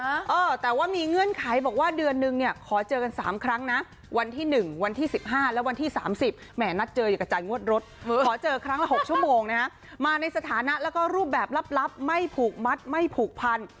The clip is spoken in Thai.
เออแต่ว่ามีเงื่อนไขบอกว่าเดือนนึงเนี่ยขอเจอกันสามครั้งนะวันที่๑วันที่สิบห้าและวันที่สามสิบแหมนัดเจออย่ากระจายงวดรถขอเจอครั้งละ๖ชั่วโมงนะฮะมาในสถานะแล้วก็รูปแบบลับไม่ผูกมัดไม่ผูกพัน